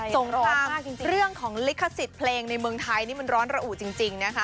สงครามเรื่องของลิขสิทธิ์เพลงในเมืองไทยนี่มันร้อนระอุจริงนะคะ